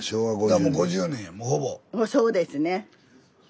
そうですね。